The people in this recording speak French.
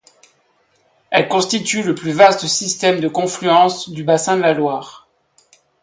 Elle constitue le plus vaste système de confluence du bassin de la Loire.